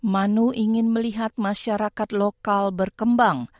manu ingin melihat masyarakat lokal berkembang